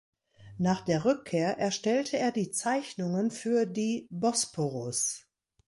Nach der Rückkehr erstellte er die Zeichnungen für die "Bosporus".